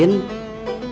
dan mas kawin